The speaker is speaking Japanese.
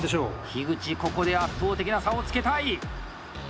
樋口、ここで圧倒的な差をつけたい！